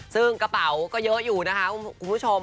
ซึ่งกระเป๋าก็เยอะอยู่นะคะคุณผู้ชม